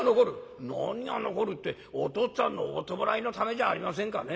「何が残るってお父っつぁんのお葬式のためじゃありませんかね。